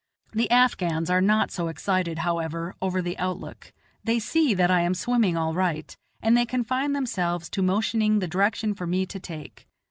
The Afghans are not so excited, however, over the outlook; they see that I am swimming all right, and they confine themselves to motioning the direction for me to take.